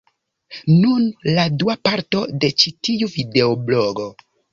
Nun, la dua parto de ĉi tiu videoblogo: